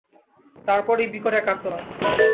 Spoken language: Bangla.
তার পরেই বিকট এক আর্তনাদ।